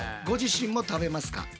ご自身も食べますか？